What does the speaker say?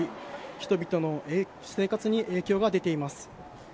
人々の生活に影響が出ています。